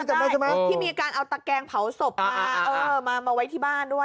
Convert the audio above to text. จำได้ที่มีการเอาตะแกงเผาศพมาไว้ที่บ้านด้วย